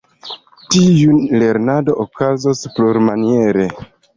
Tiu lernado okazos plurmaniere.